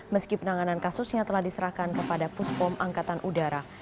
meski penanganan kasusnya telah diserahkan kepada puspom angkatan udara